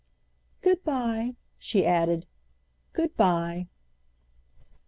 "Good bye," she added; "good bye."